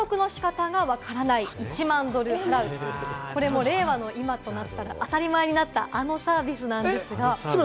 これも令和の今となったら当たり前のあのサービスなんですが。